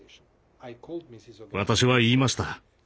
私は言いました。